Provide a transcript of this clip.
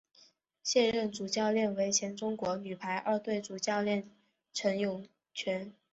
现任主教练为前中国女排二队主教练陈友泉。